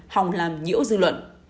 hòng làm nhiễu dư luận